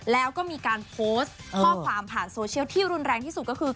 แล้วก็มีการโพสต์ข้อความผ่านโซเชียลที่รุนแรงที่สุดก็คือ